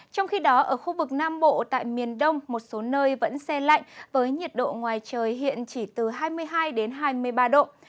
trong khi đó ở khu vực nam bộ tại miền đông một số nơi vẫn xe lạnh với nhiệt độ ngoài trời hiện chỉ từ hai mươi hai hai mươi ba độ